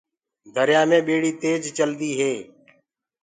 دريآ مينٚ ٻيڙي تيج چلدو هي۔